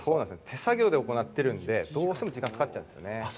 手作業で行っているんで、どうしても時間がかかっちゃうんですよね。